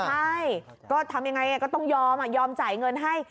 ใช่ก็ทำยังไงก็ต้องยอมยอมจ่ายเงินให้